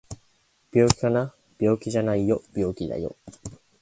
病気かな？病気じゃないよ病気だよ